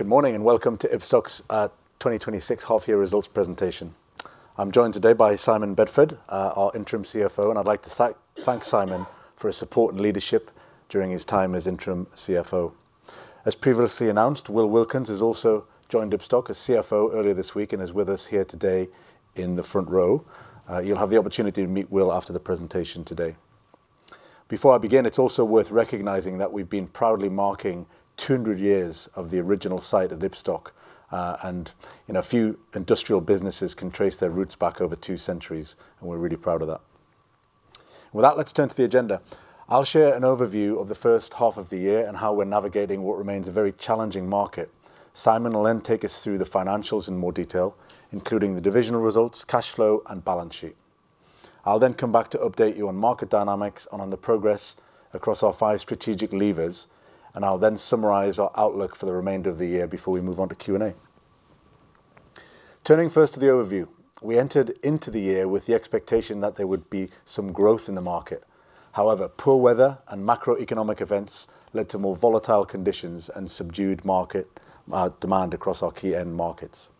Good morning. Welcome to Ibstock's 2026 half-year results presentation. I'm joined today by Simon Bedford, our interim CFO. I'd like to thank Simon for his support and leadership during his time as interim CFO. As previously announced, Will Wilkins has also joined Ibstock as CFO earlier this week and is with us here today in the front row. You'll have the opportunity to meet Will after the presentation today. Before I begin, it's also worth recognizing that we've been proudly marking 200 years of the original site of Ibstock. Few industrial businesses can trace their roots back over two centuries, and we're really proud of that. With that, let's turn to the agenda. I'll share an overview of the first half of the year and how we're navigating what remains a very challenging market. Simon will take us through the financials in more detail, including the divisional results, cash flow, and balance sheet. I'll come back to update you on market dynamics and on the progress across our five strategic levers. I'll then summarize our outlook for the remainder of the year before we move on to Q&A. Turning first to the overview. We entered into the year with the expectation that there would be some growth in the market. However, poor weather and macroeconomic events led to more volatile conditions and subdued market demand across our key end markets.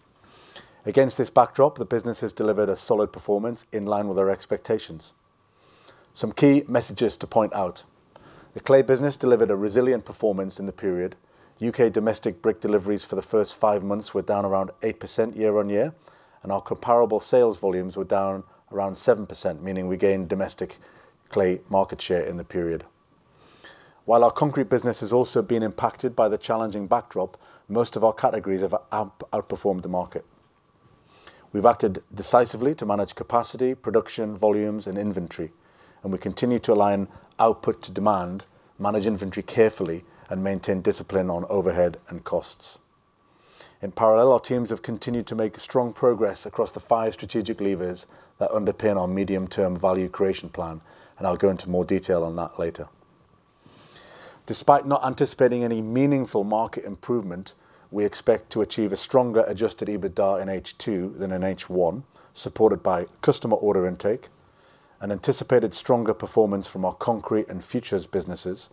Against this backdrop, the business has delivered a solid performance in line with our expectations. Some key messages to point out. The clay business delivered a resilient performance in the period. U.K. domestic brick deliveries for the first five months were down around 8% year-on-year. Our comparable sales volumes were down around 7%, meaning we gained domestic clay market share in the period. While our concrete business has also been impacted by the challenging backdrop, most of our categories have outperformed the market. We've acted decisively to manage capacity, production, volumes, and inventory. We continue to align output to demand, manage inventory carefully, and maintain discipline on overhead and costs. In parallel, our teams have continued to make strong progress across the five strategic levers that underpin our medium-term value creation plan, and I'll go into more detail on that later. Despite not anticipating any meaningful market improvement, we expect to achieve a stronger adjusted EBITDA in H2 than in H1, supported by customer order intake, an anticipated stronger performance from our concrete and Ibstock Futures businesses,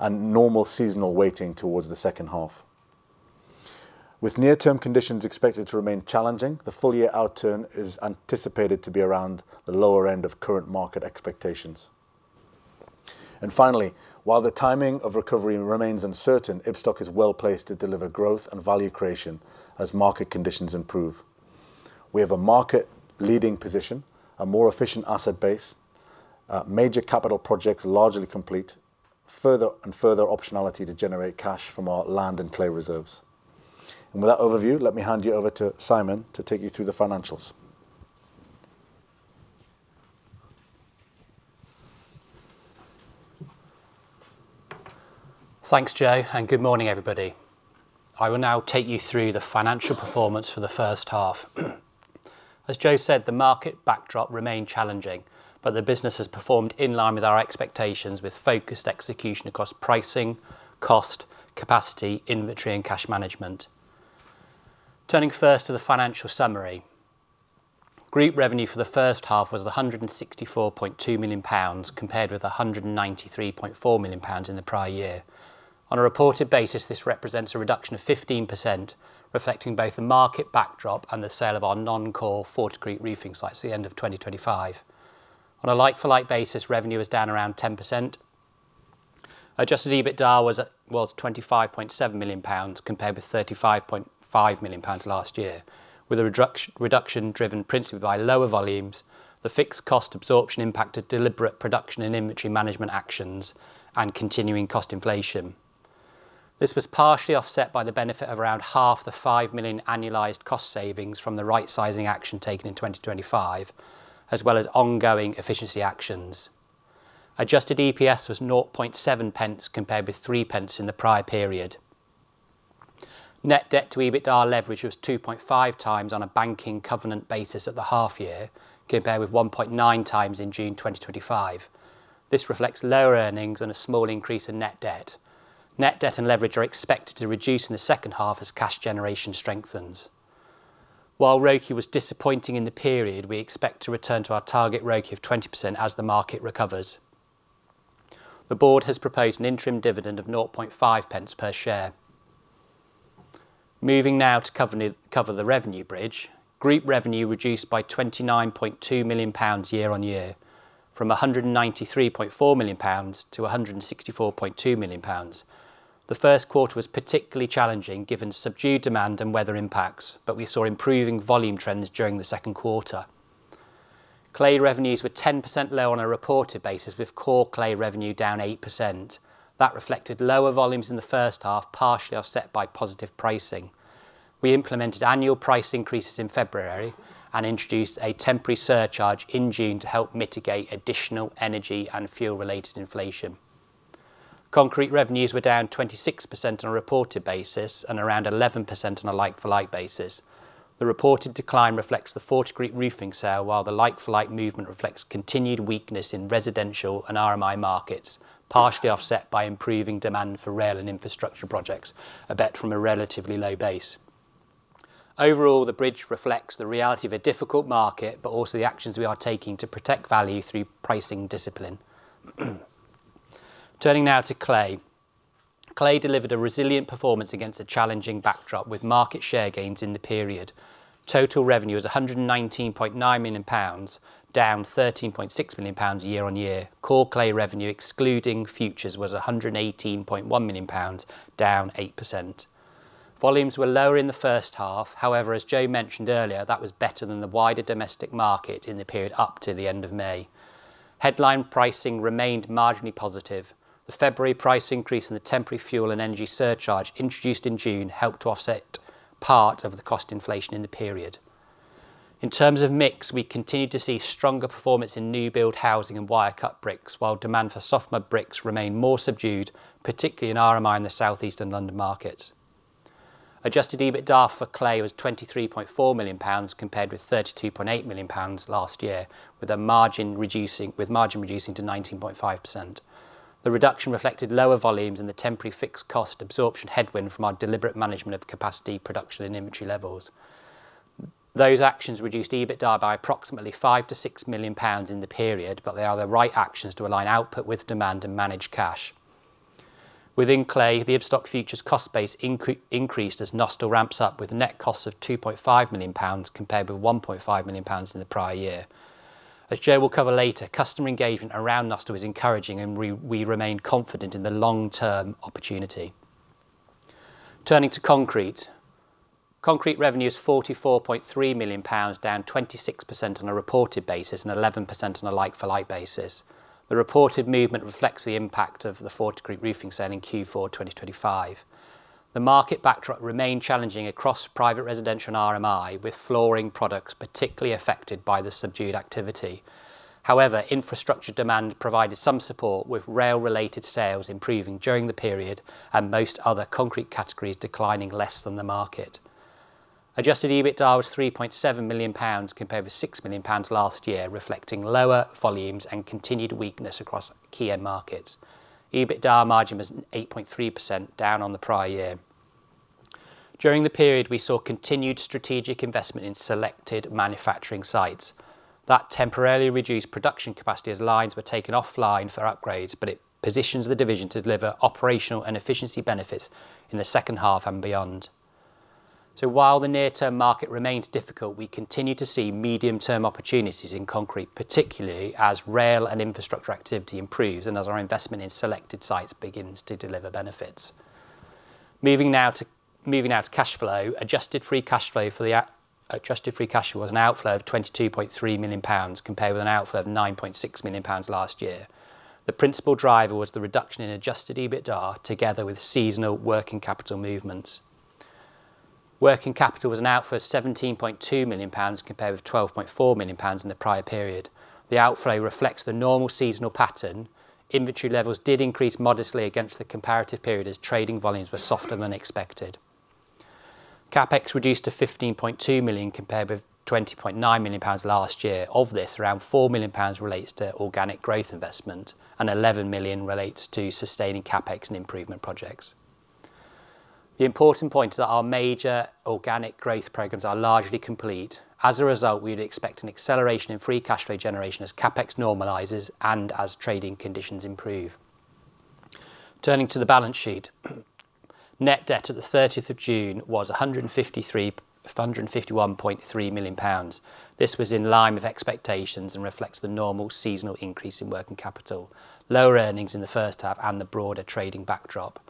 and normal seasonal weighting towards the second half. With near-term conditions expected to remain challenging, the full-year outturn is anticipated to be around the lower end of current market expectations. Finally, while the timing of recovery remains uncertain, Ibstock is well-placed to deliver growth and value creation as market conditions improve. We have a market-leading position, a more efficient asset base, major capital projects largely complete, and further optionality to generate cash from our land and clay reserves. With that overview, let me hand you over to Simon to take you through the financials. Thanks, Joe, good morning, everybody. I will now take you through the financial performance for the first half. As Joe said, the market backdrop remained challenging, but the business has performed in line with our expectations with focused execution across pricing, cost, capacity, inventory, and cash management. Turning first to the financial summary. Group revenue for the first half was 164.2 million pounds, compared with 193.4 million pounds in the prior year. On a reported basis, this represents a reduction of 15%, reflecting both the market backdrop and the sale of our non-core Forticrete roofing site to the end of 2025. On a like-for-like basis, revenue is down around 10%. Adjusted EBITDA was 25.7 million pounds, compared with 35.5 million pounds last year, with a reduction driven principally by lower volumes, the fixed cost absorption impact of deliberate production and inventory management actions, and continuing cost inflation. This was partially offset by the benefit of around half the 5 million annualized cost savings from the right sizing action taken in 2025, as well as ongoing efficiency actions. Adjusted EPS was 0.007 compared with 0.03 in the prior period. Net debt to EBITDA leverage was 2.5x on a banking covenant basis at the half year, compared with 1.9x in June 2025. This reflects lower earnings and a small increase in net debt. Net debt and leverage are expected to reduce in the second half as cash generation strengthens. While ROCE was disappointing in the period, we expect to return to our target ROCE of 20% as the market recovers. The board has proposed an interim dividend of 0.005 per share. Moving now to cover the revenue bridge. Group revenue reduced by 29.2 million pounds year-over-year, from 193.4 million pounds to 164.2 million pounds. The first quarter was particularly challenging given subdued demand and weather impacts. We saw improving volume trends during the second quarter. Clay revenues were 10% lower on a reported basis, with core clay revenue down 8%. That reflected lower volumes in the first half, partially offset by positive pricing. We implemented annual price increases in February and introduced a temporary surcharge in June to help mitigate additional energy and fuel-related inflation. Concrete revenues were down 26% on a reported basis and around 11% on a like-for-like basis. The reported decline reflects the Forticrete roofing sale, while the like-for-like movement reflects continued weakness in residential and RMI markets, partially offset by improving demand for rail and infrastructure projects, a bit from a relatively low base. Overall, the bridge reflects the reality of a difficult market, also the actions we are taking to protect value through pricing discipline. Turning now to clay. Clay delivered a resilient performance against a challenging backdrop with market share gains in the period. Total revenue was 119.9 million pounds, down 13.6 million pounds year-over-year. Core clay revenue, excluding Ibstock Futures, was 118.1 million pounds, down 8%. Volumes were lower in the first half. As Joe mentioned earlier, that was better than the wider domestic market in the period up to the end of May. Headline pricing remained marginally positive. The February price increase and the temporary fuel and energy surcharge introduced in June helped to offset part of the cost inflation in the period. In terms of mix, we continued to see stronger performance in new build housing and wire cut bricks, while demand for soft mud bricks remained more subdued, particularly in RMI in the Southeast and London markets. Adjusted EBITDA for clay was 23.4 million pounds, compared with 32.8 million pounds last year, with margin reducing to 19.5%. The reduction reflected lower volumes and the temporary fixed cost absorption headwind from our deliberate management of capacity, production, and inventory levels. Those actions reduced EBITDA by approximately 5 million-6 million pounds in the period, they are the right actions to align output with demand and manage cash. Within clay, the Ibstock Futures cost base increased as Nostell ramps up with net costs of 2.5 million pounds, compared with 1.5 million pounds in the prior year. As Joe will cover later, customer engagement around Nostell is encouraging, we remain confident in the long-term opportunity. Turning to concrete. Concrete revenue is 44.3 million pounds, down 26% on a reported basis and 11% on a like-for-like basis. The reported movement reflects the impact of the Forticrete roofing sale in Q4 2025. The market backdrop remained challenging across private residential and RMI, with flooring products particularly affected by the subdued activity. Infrastructure demand provided some support, with rail-related sales improving during the period and most other concrete categories declining less than the market. Adjusted EBITDA was 3.7 million pounds compared with 6 million pounds last year, reflecting lower volumes and continued weakness across key end markets. EBITDA margin was 8.3% down on the prior year. During the period, we saw continued strategic investment in selected manufacturing sites. It temporarily reduced production capacity as lines were taken offline for upgrades, it positions the division to deliver operational and efficiency benefits in the second half and beyond. While the near-term market remains difficult, we continue to see medium-term opportunities in concrete, particularly as rail and infrastructure activity improves and as our investment in selected sites begins to deliver benefits. Moving now to cash flow. Adjusted free cash flow was an outflow of 22.3 million pounds, compared with an outflow of 9.6 million pounds last year. The principal driver was the reduction in adjusted EBITDA together with seasonal working capital movements. Working capital was an outflow of 17.2 million pounds compared with 12.4 million pounds in the prior period. The outflow reflects the normal seasonal pattern. Inventory levels did increase modestly against the comparative period as trading volumes were softer than expected. CapEx reduced to 15.2 million compared with 20.9 million pounds last year. Of this, around 4 million pounds relates to organic growth investment and 11 million relates to sustaining CapEx and improvement projects. The important point is that our major organic growth programs are largely complete. We'd expect an acceleration in free cash flow generation as CapEx normalizes and as trading conditions improve. Turning to the balance sheet. Net debt at the 30th of June was 151.3 million pounds. This was in line with expectations and reflects the normal seasonal increase in working capital, lower earnings in the first half, and the broader trading backdrop.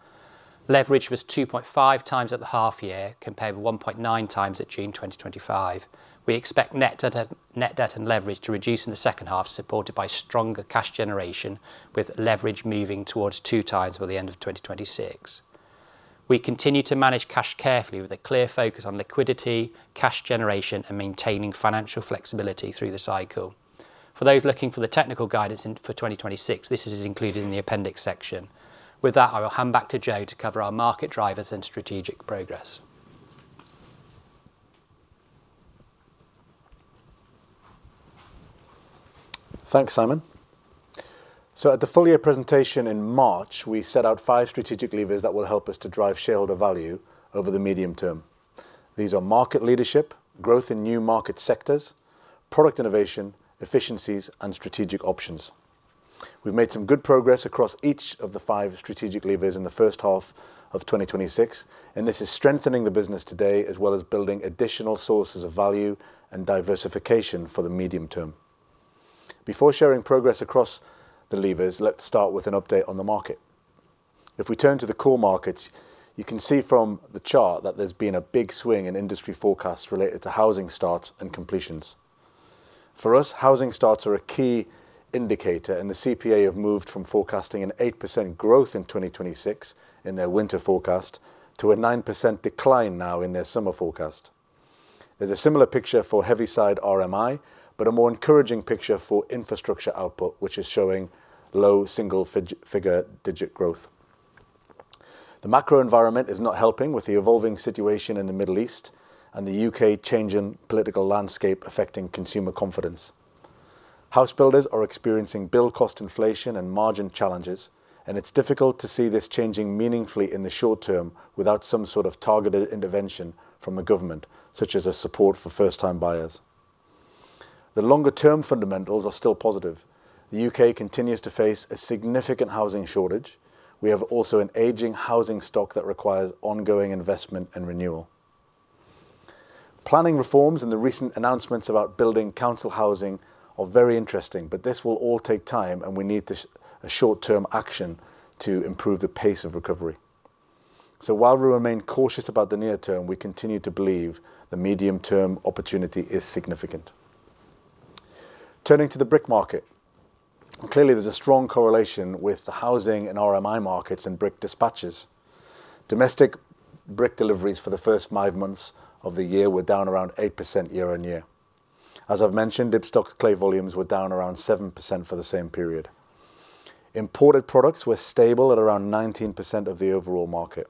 Leverage was 2.5x at the half year compared with 1.9x at June 2025. We expect net debt and leverage to reduce in the second half, supported by stronger cash generation with leverage moving towards two times by the end of 2026. We continue to manage cash carefully with a clear focus on liquidity, cash generation, and maintaining financial flexibility through the cycle. For those looking for the technical guidance for 2026, this is included in the appendix section. With that, I will hand back to Joe to cover our market drivers and strategic progress. Thanks, Simon. At the full year presentation in March, we set out five strategic levers that will help us to drive shareholder value over the medium term. These are market leadership, growth in new market sectors, product innovation, efficiencies, and strategic options. We've made some good progress across each of the five strategic levers in the first half of 2026, and this is strengthening the business today as well as building additional sources of value and diversification for the medium term. Before sharing progress across the levers, let's start with an update on the market. If we turn to the core markets, you can see from the chart that there's been a big swing in industry forecasts related to housing starts and completions. For us, housing starts are a key indicator. The CPA have moved from forecasting an 8% growth in 2026 in their winter forecast to a 9% decline now in their summer forecast. There's a similar picture for heavy side RMI, but a more encouraging picture for infrastructure output, which is showing low single-figure digit growth. The macro environment is not helping with the evolving situation in the Middle East and the U.K. changing political landscape affecting consumer confidence. House builders are experiencing build cost inflation and margin challenges, and it's difficult to see this changing meaningfully in the short term without some sort of targeted intervention from the government, such as a support for first-time buyers. The longer-term fundamentals are still positive. The U.K. continues to face a significant housing shortage. We have also an aging housing stock that requires ongoing investment and renewal. Planning reforms and the recent announcements about building council housing are very interesting. This will all take time, and we need a short-term action to improve the pace of recovery. While we remain cautious about the near term, we continue to believe the medium-term opportunity is significant. Turning to the brick market. Clearly, there's a strong correlation with the housing and RMI markets and brick dispatches. Domestic brick deliveries for the first five months of the year were down around 8% year-on-year. As I've mentioned, Ibstock clay volumes were down around 7% for the same period. Imported products were stable at around 19% of the overall market.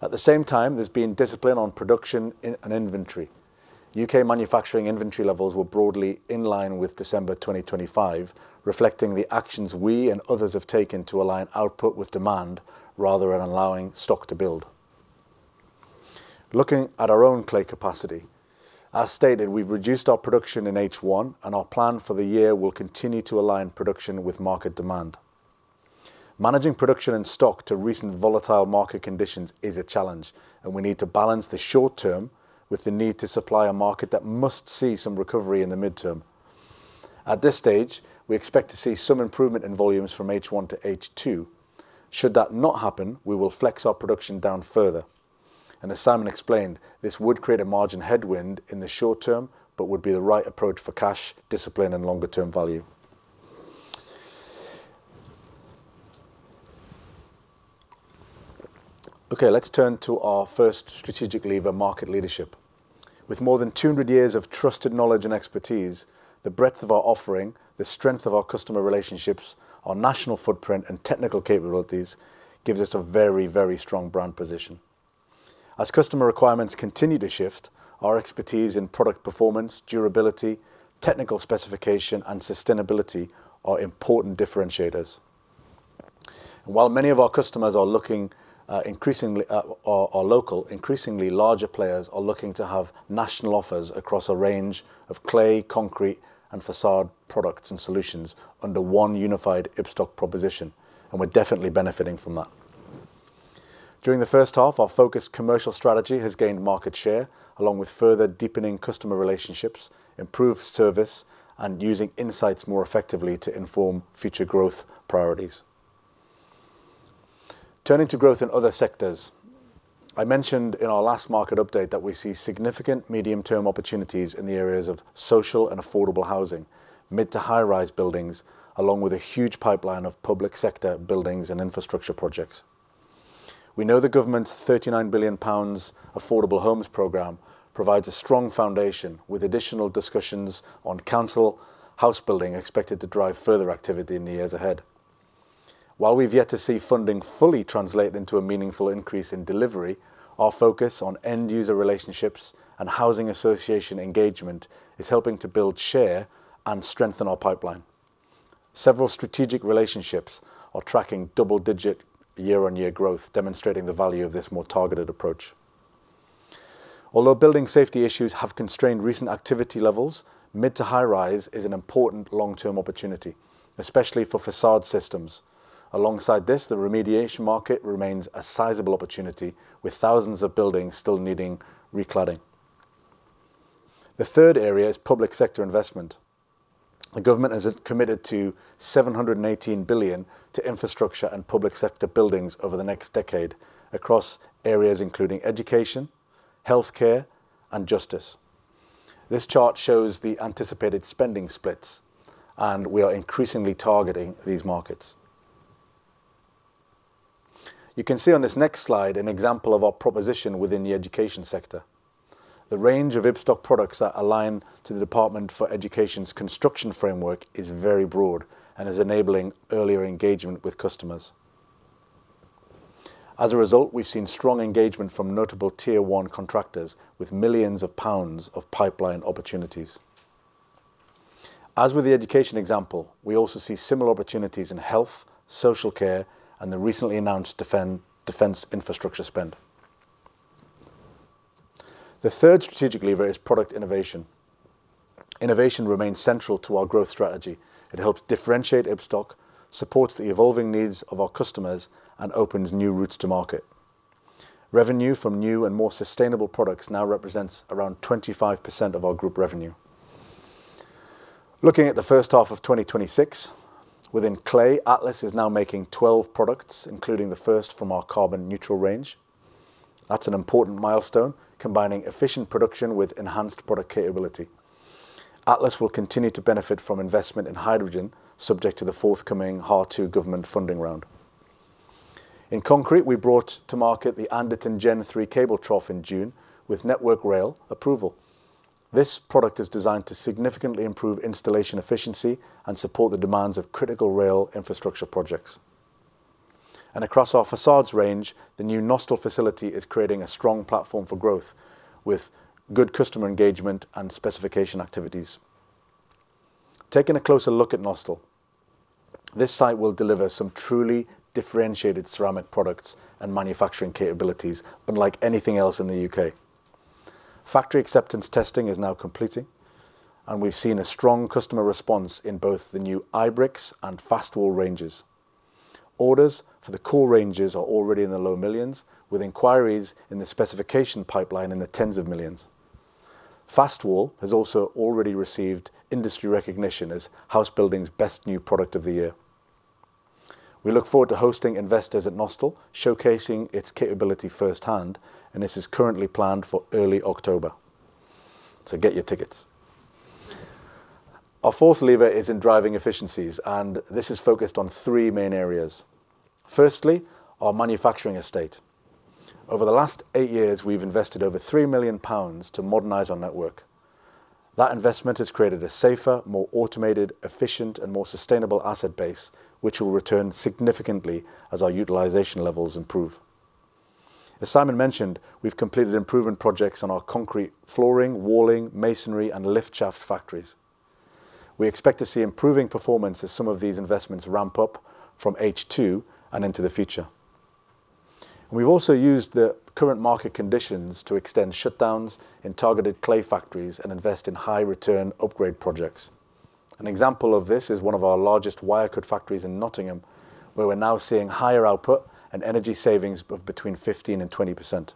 At the same time, there's been discipline on production and inventory. U.K. manufacturing inventory levels were broadly in line with December 2025, reflecting the actions we and others have taken to align output with demand rather than allowing stock to build. Looking at our own clay capacity. As stated, we have reduced our production in H1, and our plan for the year will continue to align production with market demand. Managing production and stock to recent volatile market conditions is a challenge, and we need to balance the short term with the need to supply a market that must see some recovery in the midterm. At this stage, we expect to see some improvement in volumes from H1 to H2. Should that not happen, we will flex our production down further. As Simon explained, this would create a margin headwind in the short term, but would be the right approach for cash discipline and longer term value. Okay, let's turn to our first strategic lever, market leadership. With more than 200 years of trusted knowledge and expertise, the breadth of our offering, the strength of our customer relationships, our national footprint, and technical capabilities gives us a very strong brand position. As customer requirements continue to shift, our expertise in product performance, durability, technical specification, and sustainability are important differentiators. While many of our customers are local, increasingly larger players are looking to have national offers across a range of clay, concrete, and façade products and solutions under one unified Ibstock proposition, and we are definitely benefiting from that. During the first half, our focused commercial strategy has gained market share, along with further deepening customer relationships, improved service, and using insights more effectively to inform future growth priorities. Turning to growth in other sectors. I mentioned in our last market update that we see significant medium-term opportunities in the areas of social and affordable housing, mid-to-high-rise buildings, along with a huge pipeline of public sector buildings and infrastructure projects. We know the government's 39 billion pounds affordable homes program provides a strong foundation, with additional discussions on council house building expected to drive further activity in the years ahead. While we have yet to see funding fully translate into a meaningful increase in delivery, our focus on end user relationships and housing association engagement is helping to build share and strengthen our pipeline. Several strategic relationships are tracking double-digit year-on-year growth, demonstrating the value of this more targeted approach. Although Building Safety Act issues have constrained recent activity levels, mid-to-high-rise is an important long-term opportunity, especially for façade systems. Alongside this, the remediation market remains a sizable opportunity, with thousands of buildings still needing recladding. The third area is public sector investment. The government has committed to 718 billion to infrastructure and public sector buildings over the next decade across areas including education, healthcare, and justice. This chart shows the anticipated spending splits, and we are increasingly targeting these markets. You can see on this next slide an example of our proposition within the education sector. The range of Ibstock products that align to the Department for Education's construction framework is very broad and is enabling earlier engagement with customers. As a result, we have seen strong engagement from notable Tier 1 contractors with millions of GBP of pipeline opportunities. As with the education example, we also see similar opportunities in health, social care, and the recently announced defense infrastructure spend. The third strategic lever is product innovation. Innovation remains central to our growth strategy. It helps differentiate Ibstock, supports the evolving needs of our customers, and opens new routes to market. Revenue from new and more sustainable products now represents around 25% of our group revenue. Looking at the first half of 2026, within clay, Atlas is now making 12 products, including the first from our carbon neutral range. That's an important milestone, combining efficient production with enhanced product capability. Atlas will continue to benefit from investment in hydrogen subject to the forthcoming H2 government funding round. In concrete, we brought to market the Anderton Gen 3 cable trough in June with Network Rail approval. This product is designed to significantly improve installation efficiency and support the demands of critical rail infrastructure projects. Across our façade range, the new Nostell facility is creating a strong platform for growth with good customer engagement and specification activities. Taking a closer look at Nostell. This site will deliver some truly differentiated ceramic products and manufacturing capabilities unlike anything else in the U.K. Factory acceptance testing is now completing, and we've seen a strong customer response in both the new IBrick and FastWall ranges. Orders for the core ranges are already in the low millions, with inquiries in the specification pipeline in the tens of millions. FastWall has also already received industry recognition as Housebuilder's Best New Product of the Year. We look forward to hosting investors at Nostell, showcasing its capability firsthand, this is currently planned for early October. Get your tickets. Our fourth lever is in driving efficiencies, this is focused on three main areas. Firstly, our manufacturing estate. Over the last eight years, we've invested over 3 million pounds to modernize our network. That investment has created a safer, more automated, efficient, and more sustainable asset base, which will return significantly as our utilization levels improve. As Simon mentioned, we've completed improvement projects on our concrete flooring, walling, masonry, and lift shaft factories. We expect to see improving performance as some of these investments ramp up from H2 and into the future. We've also used the current market conditions to extend shutdowns in targeted clay factories and invest in high return upgrade projects. An example of this is one of our largest wire cut factories in Nottingham, where we're now seeing higher output and energy savings of between 15%-20%.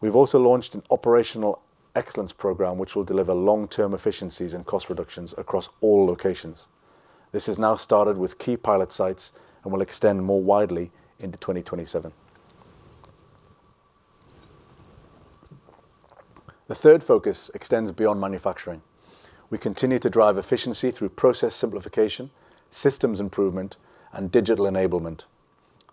We've also launched an operational excellence program, which will deliver long-term efficiencies and cost reductions across all locations. This has now started with key pilot sites and will extend more widely into 2027. The third focus extends beyond manufacturing. We continue to drive efficiency through process simplification, systems improvement, and digital enablement.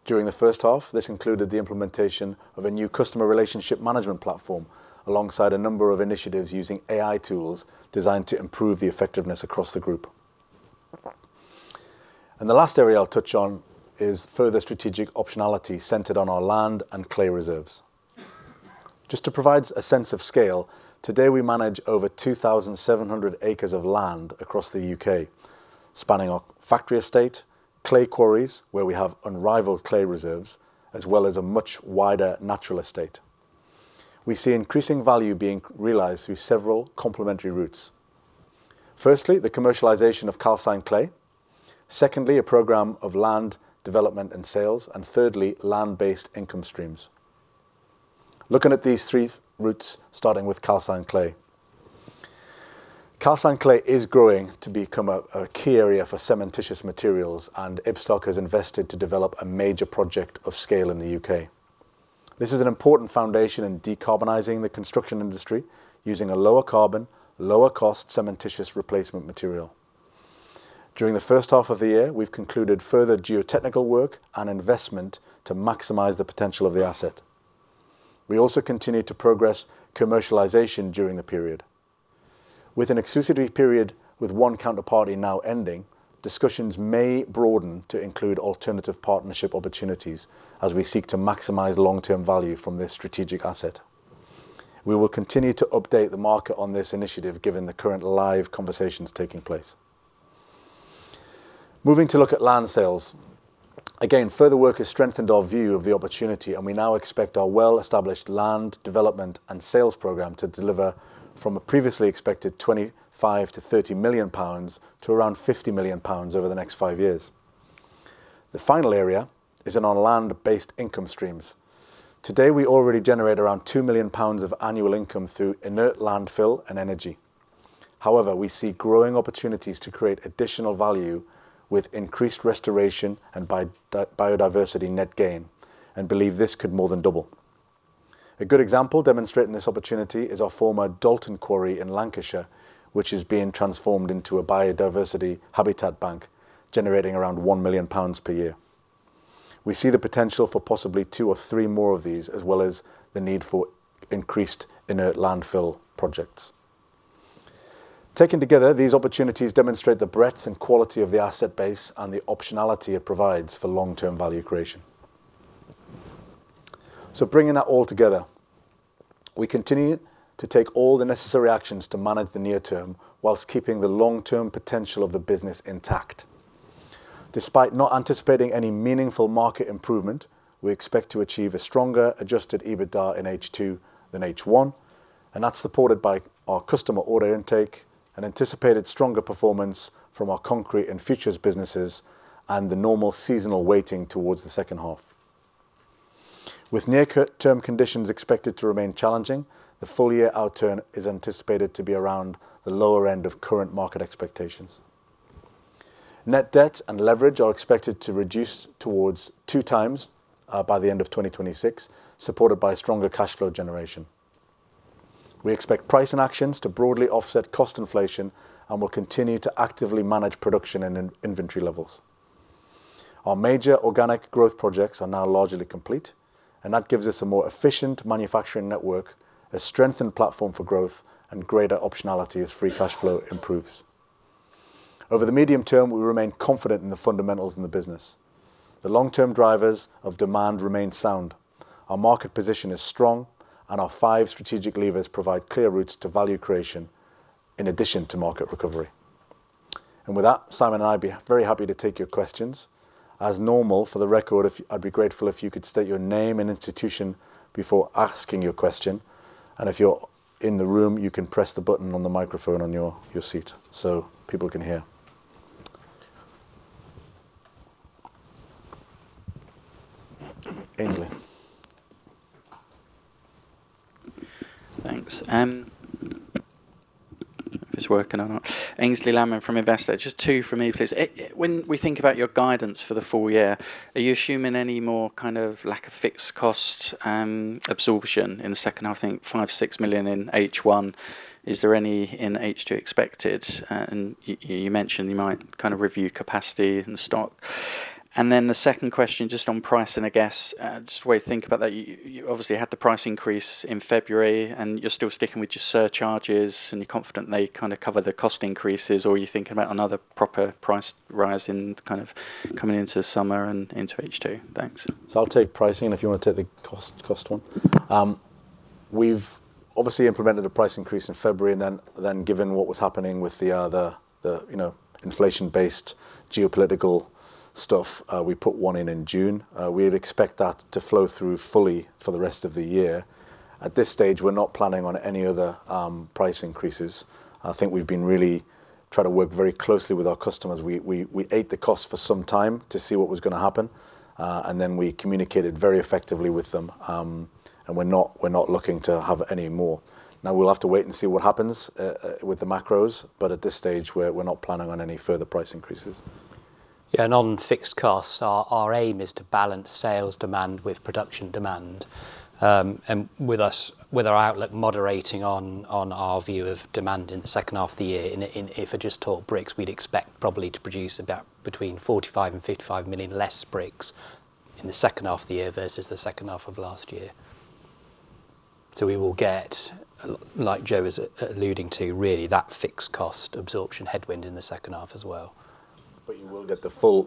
During the first half, this included the implementation of a new customer relationship management platform, alongside a number of initiatives using AI tools designed to improve the effectiveness across the group. The last area I'll touch on is further strategic optionality centered on our land and clay reserves. Just to provide a sense of scale, today we manage over 2,700 acres of land across the U.K., spanning our factory estate, clay quarries, where we have unrivaled clay reserves, as well as a much wider natural estate. We see increasing value being realized through several complementary routes. Firstly, the commercialization of calcined clay. Secondly, a program of land development and sales. Thirdly, land-based income streams. Looking at these three routes, starting with calcined clay. Calcined clay is growing to become a key area for cementitious materials. Ibstock has invested to develop a major project of scale in the U.K. This is an important foundation in decarbonizing the construction industry using a lower carbon, lower cost cementitious replacement material. During the first half of the year, we've concluded further geotechnical work and investment to maximize the potential of the asset. We also continue to progress commercialization during the period. With an exclusivity period with one counterparty now ending, discussions may broaden to include alternative partnership opportunities as we seek to maximize long-term value from this strategic asset. We will continue to update the market on this initiative given the current live conversations taking place. Moving to look at land sales. Further work has strengthened our view of the opportunity. We now expect our well-established land development and sales program to deliver from a previously expected 25 million-30 million pounds to around 50 million pounds over the next five years. The final area is in our land-based income streams. Today, we already generate around 2 million pounds of annual income through inert landfill and energy. We see growing opportunities to create additional value with increased restoration and biodiversity net gain and believe this could more than double. A good example demonstrating this opportunity is our former Dalton Quarry in Lancashire, which is being transformed into a biodiversity habitat bank, generating around 1 million pounds per year. We see the potential for possibly two or three more of these, as well as the need for increased inert landfill projects. Taken together, these opportunities demonstrate the breadth and quality of the asset base and the optionality it provides for long-term value creation. Bringing that all together, we continue to take all the necessary actions to manage the near term whilst keeping the long-term potential of the business intact. Despite not anticipating any meaningful market improvement, we expect to achieve a stronger adjusted EBITDA in H2 than H1. That's supported by our customer order intake and anticipated stronger performance from our concrete and Ibstock Futures businesses and the normal seasonal weighting towards the second half. With near-term conditions expected to remain challenging, the full year outturn is anticipated to be around the lower end of current market expectations. Net debt and leverage are expected to reduce towards 2x by the end of 2026, supported by stronger cash flow generation. We expect pricing actions to broadly offset cost inflation and will continue to actively manage production and inventory levels. Our major organic growth projects are now largely complete. That gives us a more efficient manufacturing network, a strengthened platform for growth, and greater optionality as free cash flow improves. Over the medium term, we remain confident in the fundamentals in the business. The long-term drivers of demand remain sound. Our market position is strong, and our five strategic levers provide clear routes to value creation in addition to market recovery. With that, Simon and I'd be very happy to take your questions. As normal, for the record, I'd be grateful if you could state your name and institution before asking your question. If you're in the room, you can press the button on the microphone on your seat so people can hear. Aynsley. Thanks. If it's working or not. Aynsley Lammin from Investec. Just two from me, please. When we think about your guidance for the full year, are you assuming any more lack of fixed cost absorption in the second half? I think 5 million-6 million in H1. Is there any in H2 expected? You mentioned you might review capacity and stock. The second question, just on pricing, I guess, just the way you think about that, you obviously had the price increase in February, and you're still sticking with your surcharges and you're confident they cover the cost increases. Or are you thinking about another proper price rise coming into summer and into H2? Thanks. I'll take pricing, and if you want to take the cost one. We've obviously implemented a price increase in February, and given what was happening with the inflation-based geopolitical stuff, we put one in in June. We'd expect that to flow through fully for the rest of the year. At this stage, we're not planning on any other price increases. I think we've been really trying to work very closely with our customers. We ate the cost for some time to see what was going to happen. We communicated very effectively with them, and we're not looking to have any more. We'll have to wait and see what happens with the macros, but at this stage, we're not planning on any further price increases. On fixed costs, our aim is to balance sales demand with production demand. With our outlook moderating on our view of demand in the second half of the year, and if I just talk bricks, we'd expect probably to produce about between 45 million and 55 million less bricks in the second half of the year versus the second half of last year. We will get, like Joe is alluding to, really that fixed cost absorption headwind in the second half as well. You will get the full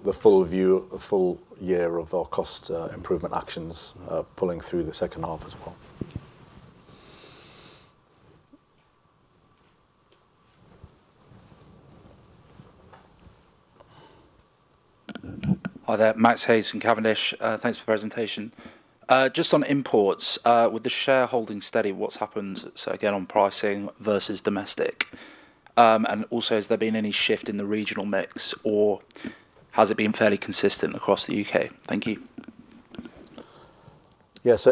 view, the full year of our cost improvement actions pulling through the second half as well. Okay. Hi there, Max Hayes from Cavendish. Thanks for the presentation. Just on imports, with the shareholding steady, what's happened, again, on pricing versus domestic? Also, has there been any shift in the regional mix, or has it been fairly consistent across the U.K.? Thank you.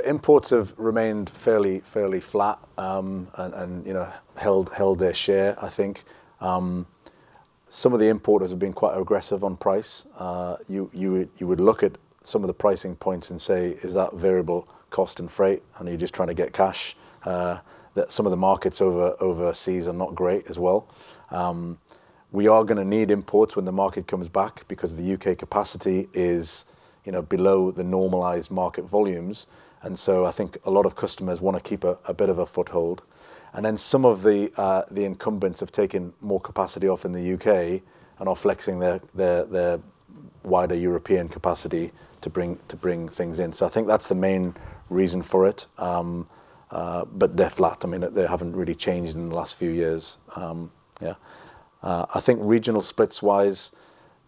Imports have remained fairly flat and held their share. I think some of the importers have been quite aggressive on price. You would look at some of the pricing points and say, "Is that variable cost and freight, and are you just trying to get cash?" That some of the markets overseas are not great as well. We are going to need imports when the market comes back because the U.K. capacity is below the normalized market volumes. I think a lot of customers want to keep a bit of a foothold. Then some of the incumbents have taken more capacity off in the U.K. and are flexing their wider European capacity to bring things in. I think that's the main reason for it. They're flat. They haven't really changed in the last few years. I think regional splits wise,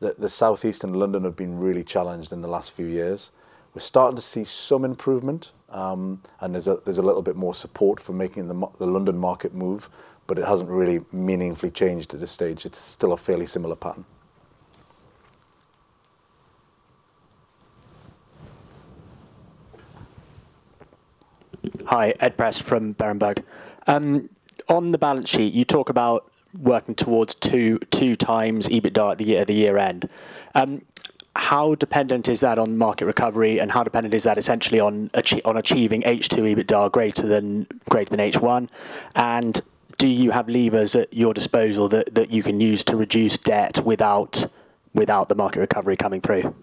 the Southeast and London have been really challenged in the last few years. We're starting to see some improvement, and there's a little bit more support for making the London market move, it hasn't really meaningfully changed at this stage. It's still a fairly similar pattern. Hi, Ed Prest from Berenberg. On the balance sheet, you talk about working towards 2x EBITDA at the year end. How dependent is that on market recovery, and how dependent is that essentially on achieving H2 EBITDA greater than H1? Do you have levers at your disposal that you can use to reduce debt without the market recovery coming through?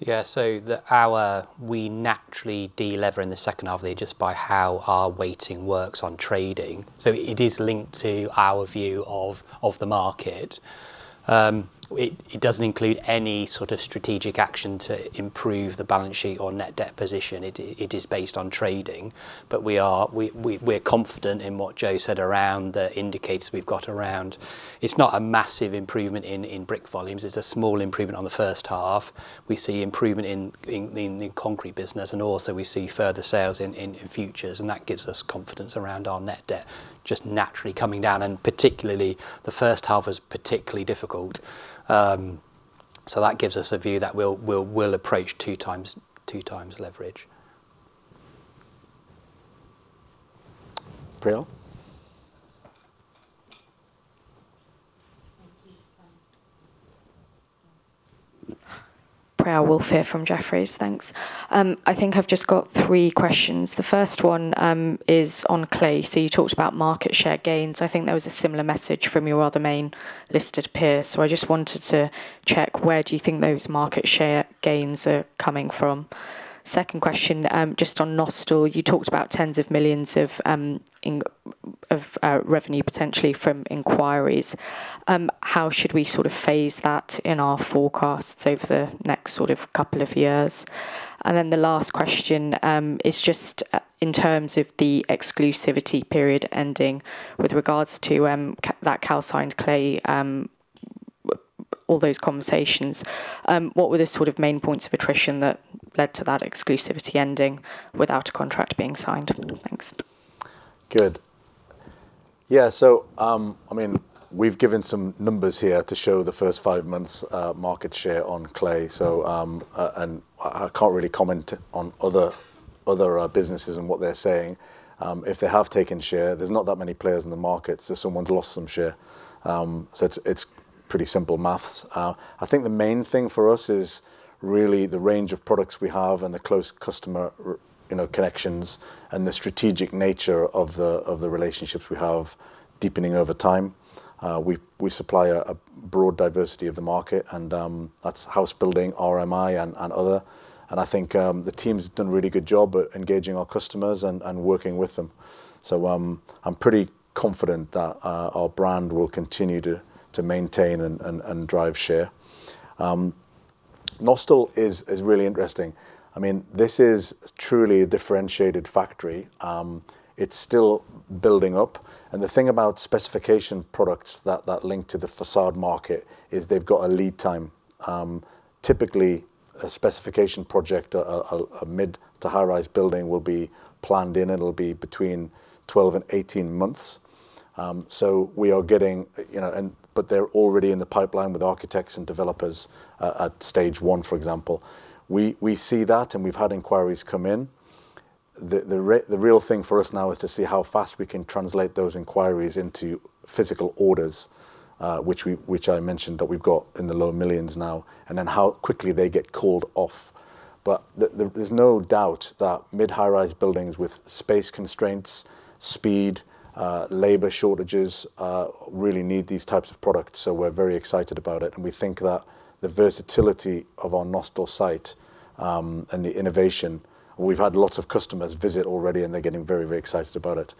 Yeah, we naturally de-lever in the second half just by how our weighting works on trading. It is linked to our view of the market. It doesn't include any sort of strategic action to improve the balance sheet or net debt position. It is based on trading. We're confident in what Joe said around the indicators we've got. It's not a massive improvement in brick volumes. It's a small improvement on the first half. We see improvement in concrete business, and also we see further sales in futures, and that gives us confidence around our net debt just naturally coming down, and particularly the first half was particularly difficult. That gives us a view that we'll approach 2x leverage. Priyal. Thank you. Priyal Woolf here from Jefferies. Thanks. I think I've just got three questions. The first one is on clay. You talked about market share gains. I think there was a similar message from your other main listed peer. I just wanted to check where do you think those market share gains are coming from? Second question, just on Nostell, you talked about tens of millions of GBP revenue potentially from inquiries. How should we sort of phase that in our forecasts over the next couple of years? The last question is just in terms of the exclusivity period ending with regards to that calcined clay, all those conversations, what were the sort of main points of attrition that led to that exclusivity ending without a contract being signed? Thanks. Good. Yeah. We've given some numbers here to show the first five months market share on clay. I can't really comment on other businesses and what they're saying. If they have taken share, there's not that many players in the market, someone's lost some share. It's pretty simple maths. I think the main thing for us is really the range of products we have and the close customer connections and the strategic nature of the relationships we have deepening over time. We supply a broad diversity of the market and that's house building, RMI, and other. I think the team's done a really good job at engaging our customers and working with them. I'm pretty confident that our brand will continue to maintain and drive share. Nostell is really interesting. This is truly a differentiated factory. It's still building up. The thing about specification products that link to the façade market is they've got a lead time. Typically, a specification project, a mid to high-rise building will be planned in, it'll be between 12 and 18 months. We are getting. They're already in the pipeline with architects and developers at stage one, for example. We see that, and we've had inquiries come in. The real thing for us now is to see how fast we can translate those inquiries into physical orders, which I mentioned that we've got in the low millions of GBP now, and then how quickly they get called off. There's no doubt that mid-high rise buildings with space constraints, speed, labor shortages, really need these types of products. We're very excited about it, we think that the versatility of our Nostell site, the innovation, we've had lots of customers visit already, they're getting very, very excited about it.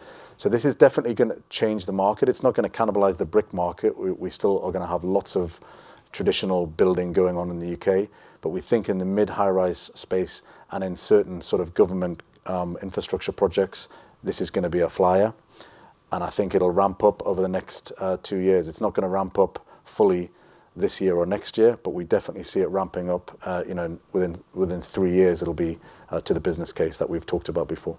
This is definitely going to change the market. It's not going to cannibalize the brick market. We still are going to have lots of traditional building going on in the U.K. We think in the mid high rise space and in certain sort of government infrastructure projects, this is going to be a flyer. I think it'll ramp up over the next two years. It's not going to ramp up fully this year or next year, we definitely see it ramping up within three years it'll be to the business case that we've talked about before.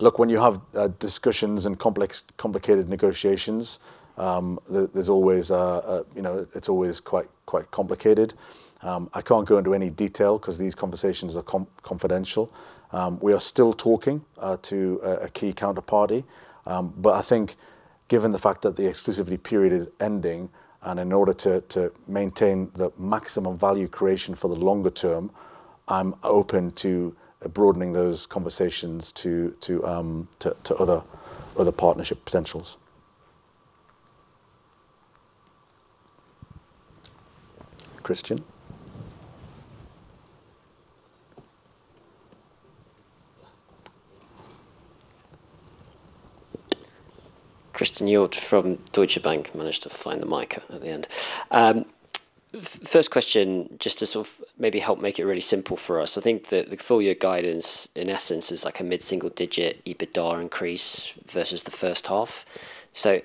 Look, when you have discussions and complicated negotiations, it's always quite complicated. I can't go into any detail because these conversations are confidential. We are still talking to a key counterparty. I think given the fact that the exclusivity period is ending and in order to maintain the maximum value creation for the longer term, I'm open to broadening those conversations to other partnership potentials. Christen? Christen Hjorth from Deutsche Bank. Managed to find the mic at the end. First question, just to sort of maybe help make it really simple for us. I think that the full year guidance, in essence, is like a mid-single digit EBITDA increase versus the first half.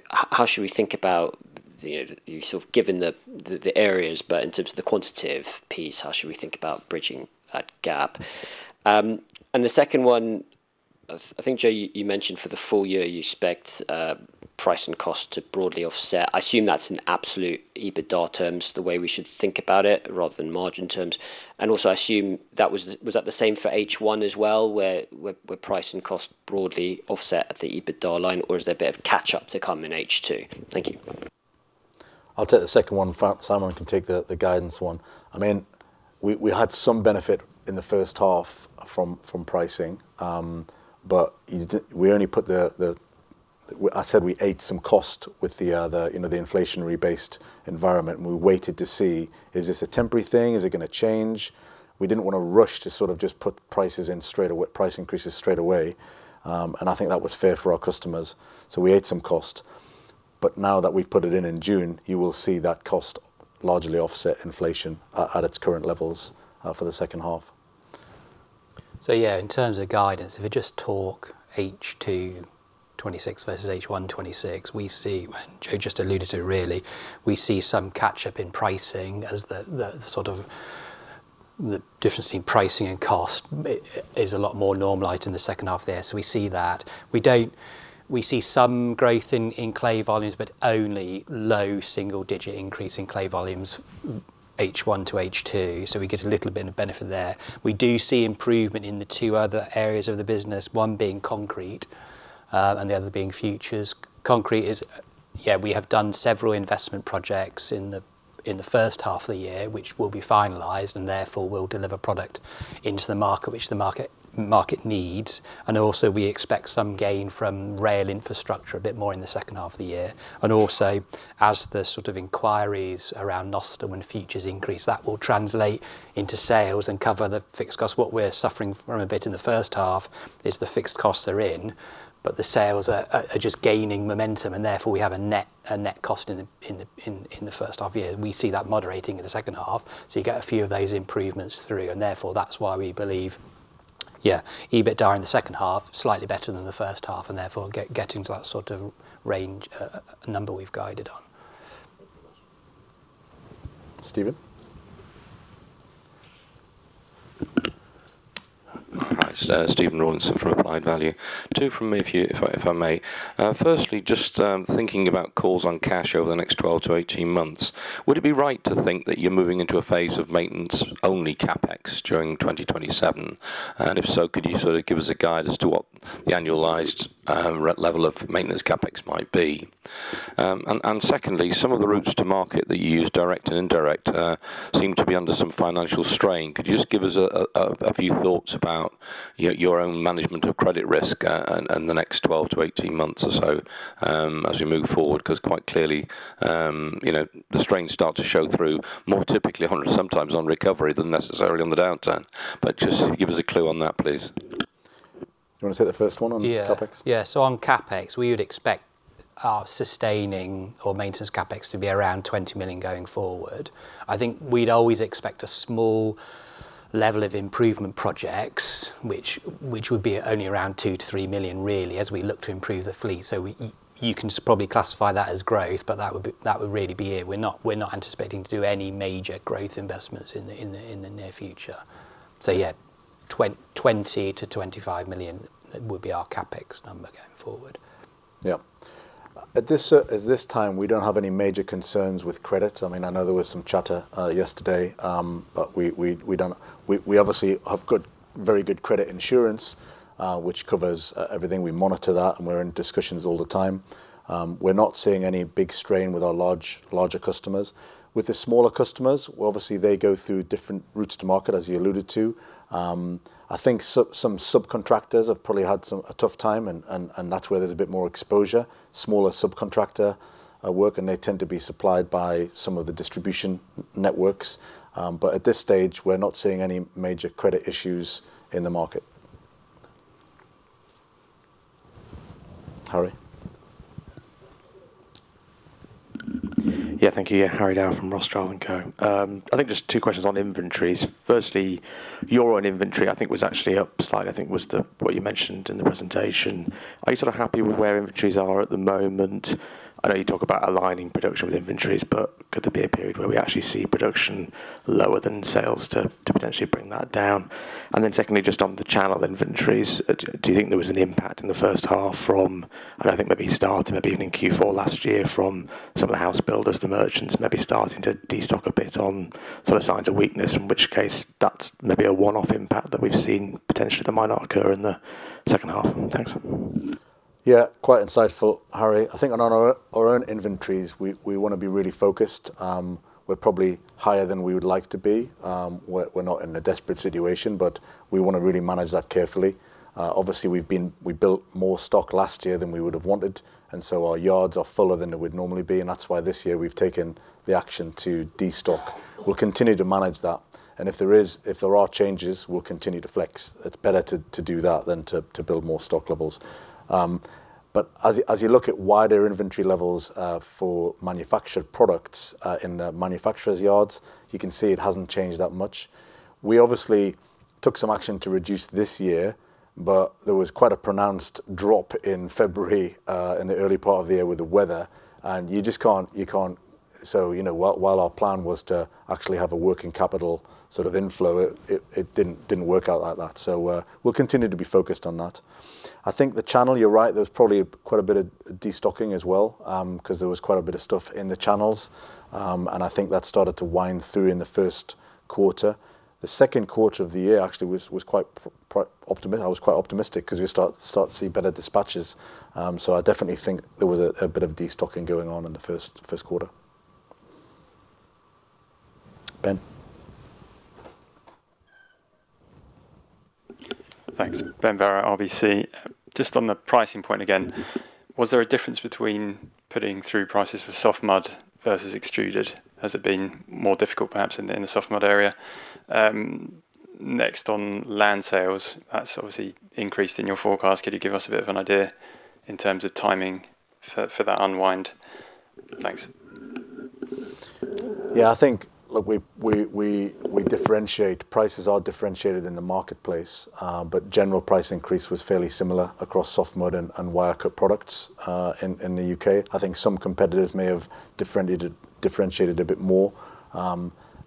How should we think about, you sort of given the areas, in terms of the quantitative piece, how should we think about bridging that gap? The second one, I think, Joe, you mentioned for the full year, you expect price and cost to broadly offset. I assume that's in absolute EBITDA terms, the way we should think about it, rather than margin terms. Also, I assume was that the same for H1 as well, where price and cost broadly offset at the EBITDA line, or is there a bit of catch-up to come in H2? Thank you. I'll take the second one. Simon can take the guidance one. We had some benefit in the first half from pricing. We only put the, I said we ate some cost with the inflationary based environment, we waited to see, is this a temporary thing? Is it going to change? We didn't want to rush to sort of just put price increases straight away. I think that was fair for our customers. We ate some cost. Now that we've put it in in June, you will see that cost largely offset inflation at its current levels for the second half. Yeah, in terms of guidance, if we just talk H2 2026 versus H1 2026, we see, Joe just alluded to really, we see some catch-up in pricing as the difference between pricing and cost is a lot more normalized in the second half there. We see that. We see some growth in clay volumes, but only low single-digit increase in clay volumes H1 to H2. We get a little bit of benefit there. We do see improvement in the two other areas of the business, one being concrete, and the other being futures. Concrete is, we have done several investment projects in the first half of the year, which will be finalized and therefore will deliver product into the market, which the market needs. Also, we expect some gain from rail infrastructure a bit more in the second half of the year. Also, as the inquiries around Nostell and futures increase, that will translate into sales and cover the fixed cost. What we're suffering from a bit in the first half is the fixed costs are in, but the sales are just gaining momentum, and therefore we have a net cost in the first half year. We see that moderating in the second half. You get a few of those improvements through, and therefore, that's why we believe EBITDA in the second half, slightly better than the first half, and therefore getting to that range, number we've guided on. Stephen? Hi. Stephen Rawlinson from Applied Value. Two from me, if I may. Firstly, just thinking about calls on cash over the next 12-18 months, would it be right to think that you're moving into a phase of maintenance-only CapEx during 2027? If so, could you give us a guide as to what the annualized level of maintenance CapEx might be? Secondly, some of the routes to market that you use, direct and indirect, seem to be under some financial strain. Could you just give us a few thoughts about your own management of credit risk in the next 12-18 months or so as we move forward? Because quite clearly, the strains start to show through more typically, sometimes on recovery than necessarily on the downturn. Just give us a clue on that, please. You want to take the first one on CapEx? Yeah. On CapEx, we would expect our sustaining or maintenance CapEx to be around 20 million going forward. I think we'd always expect a small level of improvement projects, which would be only around 2 million-3 million, really, as we look to improve the fleet. You can probably classify that as growth, but that would really be it. We're not anticipating to do any major growth investments in the near future. Yeah, 20 million-25 million would be our CapEx number going forward. Yeah. At this time, we don't have any major concerns with credit. I know there was some chatter yesterday, we obviously have very good credit insurance, which covers everything. We monitor that, we're in discussions all the time. We're not seeing any big strain with our larger customers. With the smaller customers, obviously, they go through different routes to market, as you alluded to. I think some subcontractors have probably had a tough time, and that's where there's a bit more exposure. Smaller subcontractor work, and they tend to be supplied by some of the distribution networks. At this stage, we're not seeing any major credit issues in the market. Harry? Yeah. Thank you. Harry Dow from Rothschild & Co. Just two questions on inventories. Firstly, your own inventory, was actually up slightly, was what you mentioned in the presentation. Are you sort of happy with where inventories are at the moment? I know you talk about aligning production with inventories, could there be a period where we actually see production lower than sales to potentially bring that down? Secondly, just on the channel inventories, do you think there was an impact in the first half from, maybe starting maybe even in Q4 last year from some of the house builders, the merchants maybe starting to de-stock a bit on sort of signs of weakness, in which case that's maybe a one-off impact that we've seen potentially that might not occur in the second half? Thanks. Yeah. Quite insightful, Harry. On our own inventories, we want to be really focused. We're probably higher than we would like to be. We're not in a desperate situation, we want to really manage that carefully. Obviously, we built more stock last year than we would have wanted, our yards are fuller than it would normally be. That's why this year we've taken the action to de-stock. We'll continue to manage that. If there are changes, we'll continue to flex. It's better to do that than to build more stock levels. As you look at wider inventory levels for manufactured products in the manufacturer's yards, you can see it hasn't changed that much. We obviously took some action to reduce this year, there was quite a pronounced drop in February, in the early part of the year with the weather. You just can't. While our plan was to actually have a working capital sort of inflow, it didn't work out like that. We'll continue to be focused on that. I think the channel, you're right, there's probably quite a bit of de-stocking as well, because there was quite a bit of stuff in the channels. I think that started to wind through in the first quarter. The second quarter of the year actually was quite, I was quite optimistic because we start to see better dispatches. I definitely think there was a bit of de-stocking going on in the first quarter. Ben? Thanks. Ben Barrow, RBC. Just on the pricing point, again, was there a difference between putting through prices for soft mud versus extruded? Has it been more difficult, perhaps in the soft mud area? Next, on land sales, that's obviously increased in your forecast. Could you give us a bit of an idea in terms of timing for that unwind? Thanks. I think, look, prices are differentiated in the marketplace, but general price increase was fairly similar across soft mud and wire cut products in the U.K. I think some competitors may have differentiated a bit more.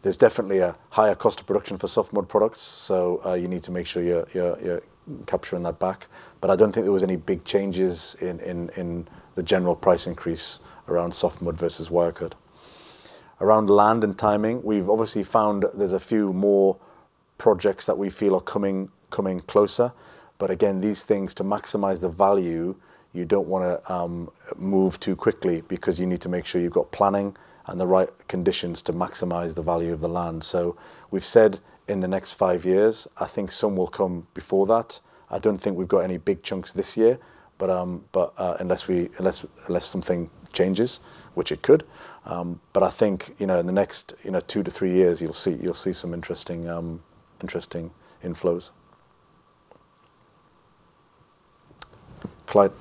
There's definitely a higher cost of production for soft mud products. You need to make sure you're capturing that back. I don't think there was any big changes in the general price increase around soft mud versus wire cut. Around land and timing, we've obviously found there's a few more projects that we feel are coming closer. Again, these things, to maximize the value, you don't want to move too quickly because you need to make sure you've got planning and the right conditions to maximize the value of the land. We've said in the next five years. I think some will come before that. I don't think we've got any big chunks this year, unless something changes, which it could. I think, in the next two to three years, you'll see some interesting inflows. Clyde?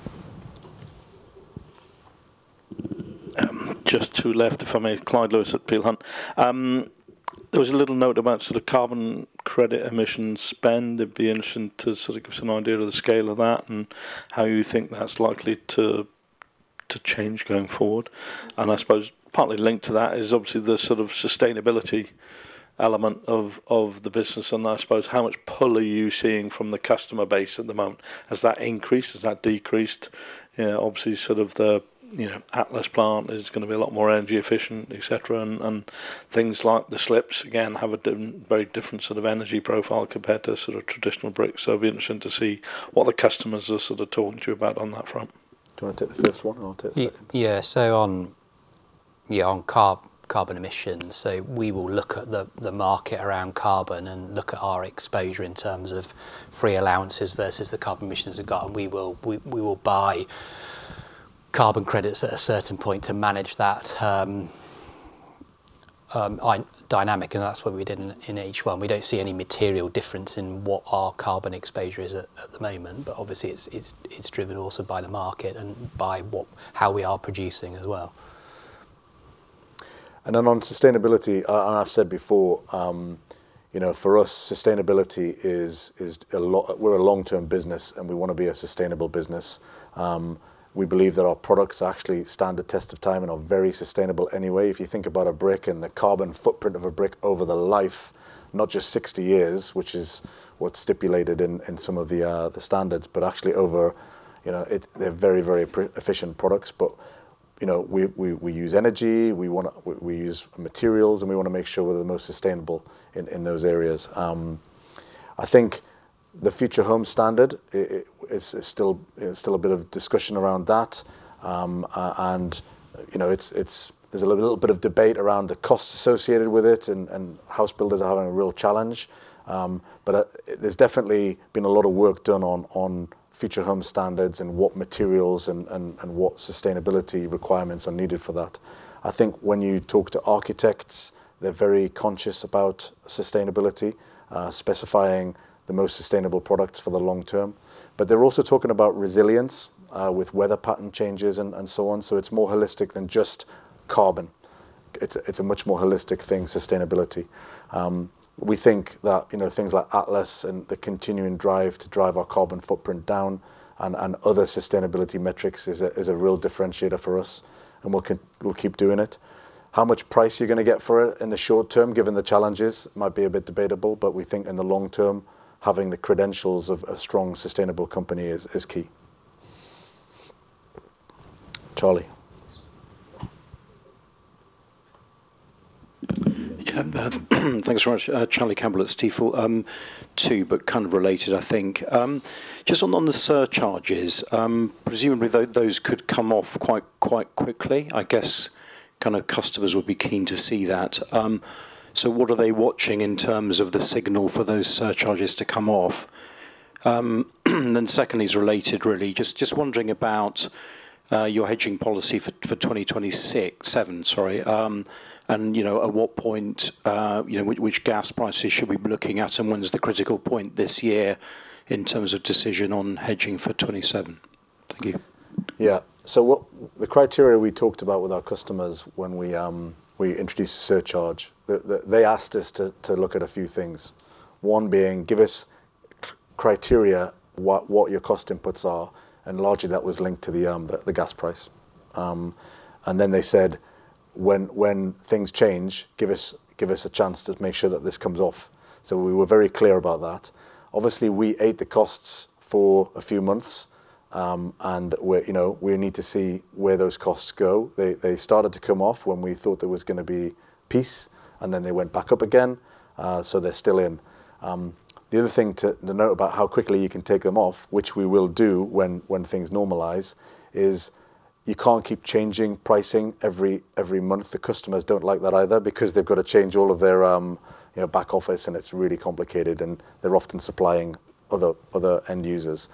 Just two left, if I may. Clyde Lewis at Peel Hunt. There was a little note about sort of carbon credit emissions spend. It'd be interesting to sort of give us an idea of the scale of that and how you think that's likely to change going forward. I suppose partly linked to that is obviously the sort of sustainability element of the business, and I suppose how much pull are you seeing from the customer base at the moment? Has that increased? Has that decreased? Obviously, the Atlas plant is going to be a lot more energy efficient, et cetera. Things like the slips, again, have a very different sort of energy profile compared to traditional bricks. It'll be interesting to see what the customers are sort of talking to you about on that front. Do you want to take the first one? I'll take the second. On carbon emissions, so we will look at the market around carbon and look at our exposure in terms of free allowances versus the carbon emissions we've got, and we will buy carbon credits at a certain point to manage that dynamic, and that's what we did in H1. We don't see any material difference in what our carbon exposure is at the moment. Obviously, it's driven also by the market and by how we are producing as well. On sustainability, and I've said before, for us, sustainability is, we're a long-term business, and we want to be a sustainable business. We believe that our products actually stand the test of time and are very sustainable anyway. If you think about a brick and the carbon footprint of a brick over the life, not just 60 years, which is what's stipulated in some of the standards, but actually over, they're very, very efficient products. We use energy, we use materials, and we want to make sure we're the most sustainable in those areas. I think the Future Homes Standard, there's still a bit of discussion around that. There's a little bit of debate around the costs associated with it, and house builders are having a real challenge. There's definitely been a lot of work done on Future Homes Standard and what materials and what sustainability requirements are needed for that. I think when you talk to architects, they're very conscious about sustainability, specifying the most sustainable products for the long term. They're also talking about resilience, with weather pattern changes and so on. It's more holistic than just carbon. It's a much more holistic thing, sustainability. We think that things like Atlas and the continuing drive to drive our carbon footprint down and other sustainability metrics is a real differentiator for us, and we'll keep doing it. How much price you're going to get for it in the short term, given the challenges, might be a bit debatable. We think in the long term, having the credentials of a strong, sustainable company is key. Charlie. Yeah. Thanks very much. Charlie Campbell at Stifel. Two, kind of related, I think. Just on the surcharges, presumably, those could come off quite quickly. I guess kind of customers would be keen to see that. What are they watching in terms of the signal for those surcharges to come off? Then second is related, really. Just wondering about your hedging policy for 2026, 2027, sorry, and at what point, which gas prices should we be looking at, and when is the critical point this year in terms of decision on hedging for 2027? Thank you. Yeah. The criteria we talked about with our customers when we introduced a surcharge, they asked us to look at a few things. One being, give us criteria, what your cost inputs are, and largely that was linked to the gas price. Then they said, "When things change, give us a chance to make sure that this comes off." We were very clear about that. Obviously, we ate the costs for a few months, and we need to see where those costs go. They started to come off when we thought there was going to be peace, and then they went back up again, so they're still in. The other thing to note about how quickly you can take them off, which we will do when things normalize, is you can't keep changing pricing every month. The customers don't like that either because they've got to change all of their back office, and it's really complicated, and they're often supplying other end users.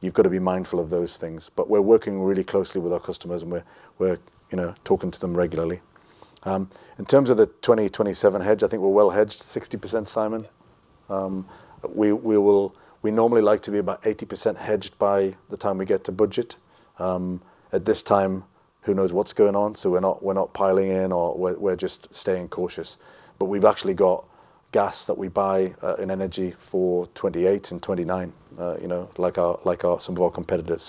You've got to be mindful of those things. We're working really closely with our customers, and we're talking to them regularly. In terms of the 2027 hedge, I think we're well hedged 60%, Simon. We normally like to be about 80% hedged by the time we get to budget. At this time, who knows what's going on, so we're not piling in or we're just staying cautious. We've actually got gas that we buy in energy for 2028 and 2029, like some of our competitors.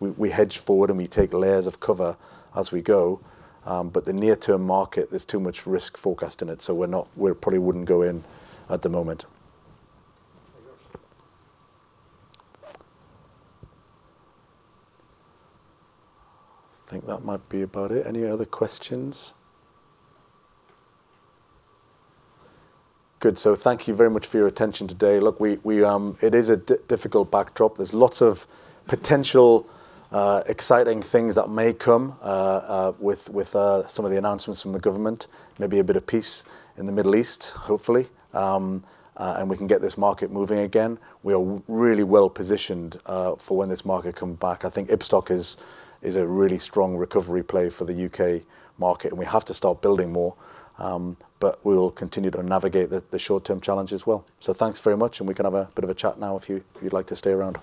We hedge forward, and we take layers of cover as we go. The near-term market, there's too much risk forecast in it, so we probably wouldn't go in at the moment. Thank you. I think that might be about it. Any other questions? Good. Thank you very much for your attention today. It is a difficult backdrop. There's lots of potential exciting things that may come with some of the announcements from the government, maybe a bit of peace in the Middle East, hopefully, and we can get this market moving again. We are really well positioned for when this market come back. I think Ibstock is a really strong recovery play for the U.K. market, and we have to start building more. We will continue to navigate the short-term challenge as well. Thanks very much, and we can have a bit of a chat now if you'd like to stay around.